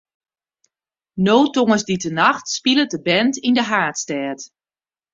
No tongersdeitenacht spilet de band yn de haadstêd.